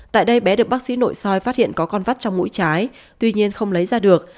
tại đây bé được bác sĩ nội soi phát hiện có con vắt trong mũi trái tuy nhiên không lấy ra được